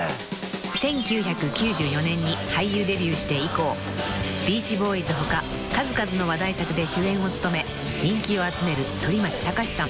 ［１９９４年に俳優デビューして以降『ビーチボーイズ』他数々の話題作で主演を務め人気を集める反町隆史さん］